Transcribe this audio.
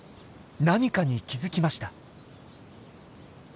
何かに気付きました。